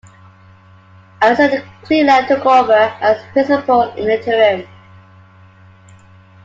Alison Cleland took over as principal in the interim.